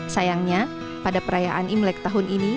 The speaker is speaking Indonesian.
sayangnya pada perayaan imlek tahun ini